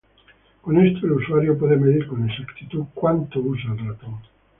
Con esto, el usuario puede medir con exactitud cuánto usa el ratón.